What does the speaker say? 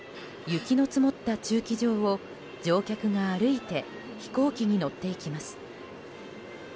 雪の積もった駐機場を乗客が歩いて飛行機に乗っていきます。